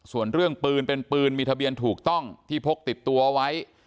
ส่วนเรื่องปืนเป็นปืนมีทะเบียนถูกต้องที่พกติดตัวไว้